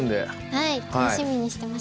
はい楽しみにしてますね。